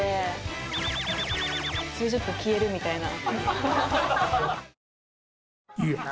数十分消えるみたいな。